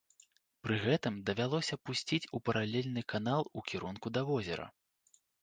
Пры гэтым давялося пусціць у паралельны канал у кірунку да возера.